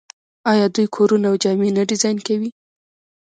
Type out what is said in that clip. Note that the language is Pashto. آیا دوی کورونه او جامې نه ډیزاین کوي؟